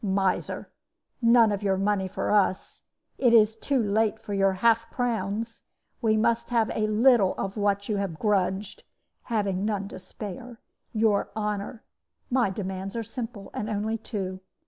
"'Miser, none of your money for us! it is too late for your half crowns! We must have a little of what you have grudged having none to spare your honor. My demands are simple, and only two.